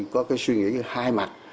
tôi có suy nghĩ hai mặt